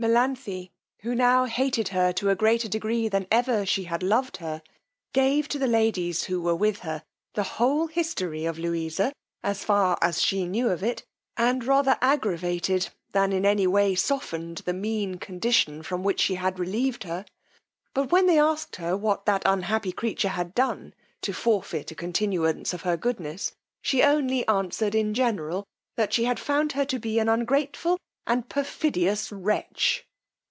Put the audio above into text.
Melanthe, who now hated her to a greater degree than ever she had loved her, gave to the ladies who were with her the whole history of Louisa, as far as she knew of it, and rather aggravated, than any way softened the mean condition from which she had relieved her; but when they asked her what that unhappy creature had done to forfeit a continuance of her goodness, she only answered in general, that she had found her to be an ungrateful and perfidious wretch.